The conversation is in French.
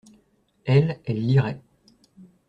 Elle, elle lirait.